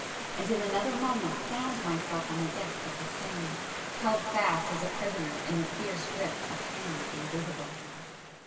and in another moment found myself on the deck of 'The Flame,' held fast as a prisoner in the fierce grip of hands invisible.